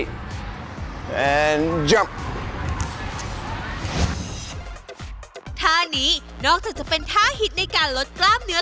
เราจะทำแบบนี้